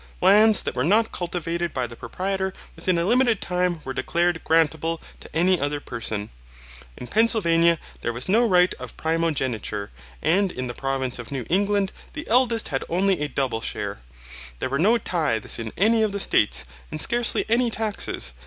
Lands that were not cultivated by the proprietor within a limited time were declared grantable to any other person. In Pennsylvania there was no right of primogeniture, and in the provinces of New England the eldest had only a double share. There were no tithes in any of the States, and scarcely any taxes.